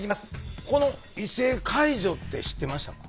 この異性介助って知ってましたか？